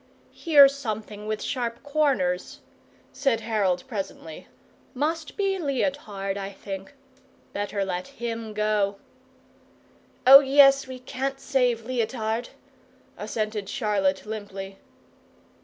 "Here's something with sharp corners," said Harold, presently. "Must be Leotard, I think. Better let HIM go." "Oh, yes, we can't save Leotard," assented Charlotte, limply.